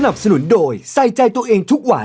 สนุนโดยใส่ใจตัวเองทุกวัน